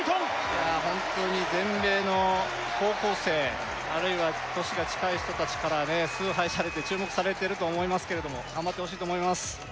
いやホントに全米の高校生あるいは年が近い人達からね崇拝されて注目されてると思いますけれども頑張ってほしいと思います